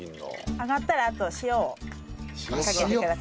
揚がったらあと塩をかけてください。